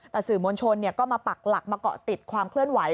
แต่สื่อมวลชนก็มาปักหลักมาเกาะติดความเคลื่อนไหว